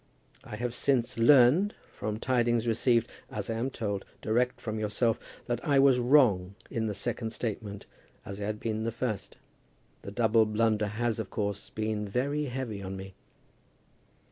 I have since learned, from tidings received, as I am told, direct from yourself, that I was as wrong in the second statement as I had been in the first. The double blunder has, of course, been very heavy on me.